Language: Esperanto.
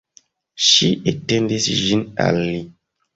Ŝi etendis ĝin al li.